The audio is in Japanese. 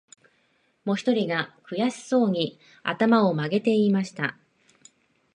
もひとりが、くやしそうに、あたまをまげて言いました